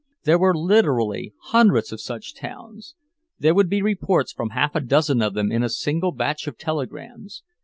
There were literally hundreds of such towns; there would be reports from half a dozen of them in a single batch of telegrams.